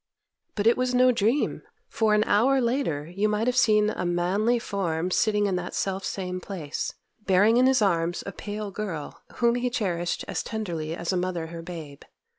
But it was no dream, for an hour later you might have seen a manly form sitting in that self same place, bearing in his arms a pale girl, whom he cherished as tenderly as a mother her babe.